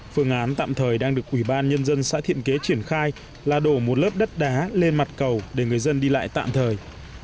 phương án tạm thời đang được ủy ban nhân dân xã thiện kế triển khai là đổ một lớp đất đá lên mặt cầu để người dân đi lại tạm thời